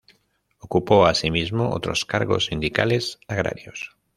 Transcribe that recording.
Ocupó asimismo otros cargos sindicales agrarios.